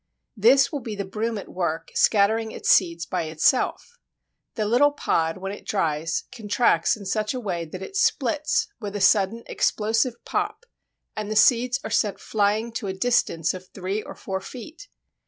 This will be the Broom at work scattering its seeds by itself. The little pod, when it dries, contracts in such a way that it splits with a sudden explosive pop, and the seeds are sent flying to a distance of three or four feet.